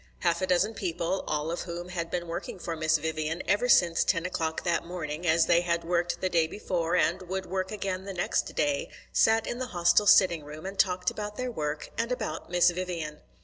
Half a dozen people, all of whom had been working for Miss Vivian ever since ten o'clock that morning, as they had worked the day before and would work again the next day, sat in the Hostel sitting room and talked about their work and about Miss Vivian.